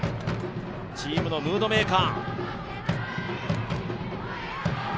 チームのムードメーカー。